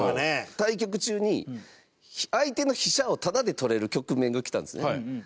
対局中に、相手の飛車をタダで取れる局面がきたんですね。